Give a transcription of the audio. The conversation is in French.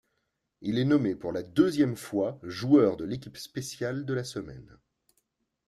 Il est nommé pour la deuxième fois joueur de l'équipe spéciale de la semaine.